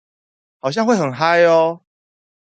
好像會很嗨喔